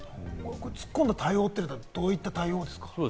突っ込んだ対応というのは、どういう対応ですか？